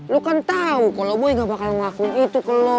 lo kan tau kalau boy gak bakal ngelakuin itu ke lo